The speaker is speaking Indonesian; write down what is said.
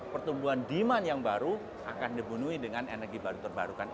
pertumbuhan demand yang baru akan dibunuhi dengan energi baru terbarukan